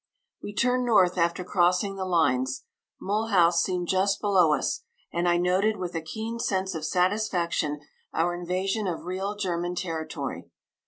We turned north after crossing the lines. Mulhouse seemed just below us, and I noted with a keen sense of satisfaction our invasion of real German territory.